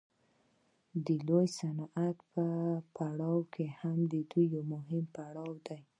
د لوی صنعت پړاو هم د دې یو مهم پړاو دی